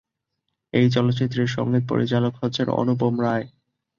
এই চলচ্চিত্রের সঙ্গীত পরিচালক হচ্ছেন অনুপম রায়।